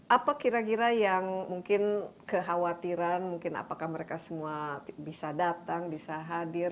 apa kira kira yang mungkin kekhawatiran mungkin apakah mereka semua bisa datang bisa hadir